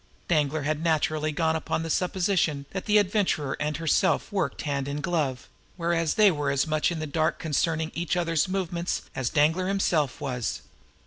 Danglar had naturally gone upon the supposition that the Adventurer and herself worked hand in glove; whereas they were as much in the dark concerning each other's movements as Danglar himself was.